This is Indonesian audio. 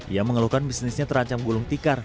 ia mengeluhkan bisnisnya terancam gulung tikar